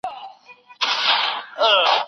فرمايي چي د حق لاره تعقیب کړئ.